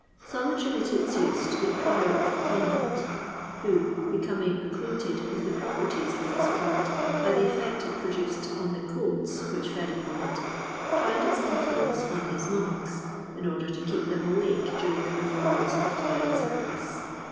Some attribute its use to the prior of a convent, who becoming acquainted with the properties of this plant by the effect it produced on the goats which fed upon it, tried its influence on his monks, in order to keep them awake during the performance of divine service.